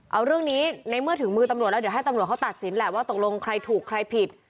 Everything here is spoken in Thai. เอาเรื่องนี้ในเมื่อถึงมือตำรวจแล้วเดี๋ยวให้ตำรวจเขาตัดสินแหละว่าตกลงใครถูกใครผิด